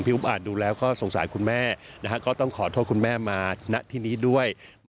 อุ๊บอาจดูแล้วก็สงสารคุณแม่นะฮะก็ต้องขอโทษคุณแม่มาณที่นี้ด้วย